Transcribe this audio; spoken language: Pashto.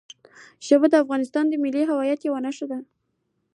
ژبې د افغانستان د ملي هویت یوه نښه ده.